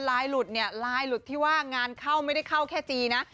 ลายหลุดลายหลุดที่ว่างานเข้าไม่ได้เข้าแค่จีนะ